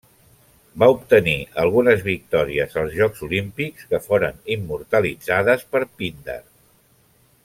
Va obtenir algunes victòries als jocs olímpics que foren immortalitzades per Píndar.